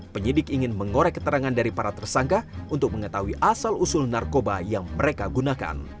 penyidik ingin mengorek keterangan dari para tersangka untuk mengetahui asal usul narkoba yang mereka gunakan